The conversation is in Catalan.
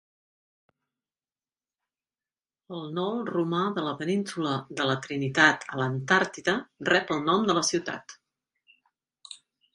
El Knoll romà de la Península de la Trinitat a l'Antàrtida rep el nom de la ciutat.